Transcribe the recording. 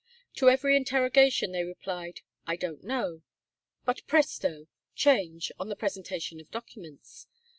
To every interrogation they replied, "I don't know." But presto, change, on the presentation of documents!